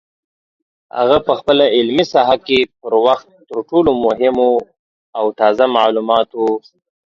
هغه په خپله علمي ساحه کې پر وخت تر ټولو مهمو او تازه معلوماتو